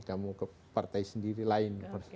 kamu ke partai sendiri lain